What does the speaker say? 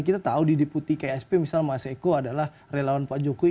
kita tahu di deputi ksp misal mas eko adalah relawan pak jokowi